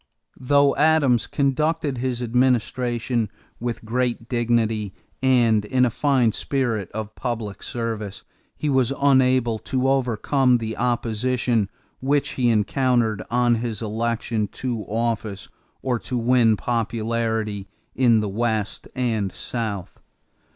Though Adams conducted his administration with great dignity and in a fine spirit of public service, he was unable to overcome the opposition which he encountered on his election to office or to win popularity in the West and South.